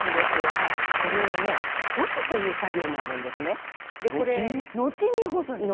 これを干すという作業があるんですね。